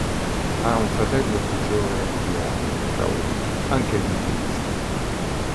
Ha un fratello più giovane di due anni, Raul, anche lui tennista.